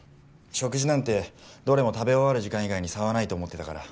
食事なんてどれも食べ終わる時間以外に差はないと思ってたから。